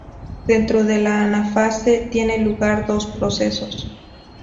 Dentro de la anafase tienen lugar dos procesos.